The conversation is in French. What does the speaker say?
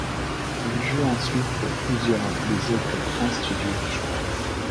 Il joue ensuite pour plusieurs des autres grands studios du genre.